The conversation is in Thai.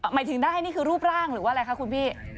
หมายถึงได้นี่คือรูปร่างหรือว่าอะไรคะคุณพี่